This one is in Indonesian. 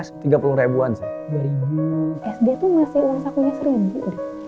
sd tuh masih uang sakunya sering